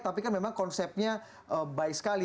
tapi kan memang konsepnya baik sekali